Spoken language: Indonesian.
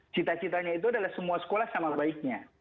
cita citanya itu adalah semua sekolah sama baiknya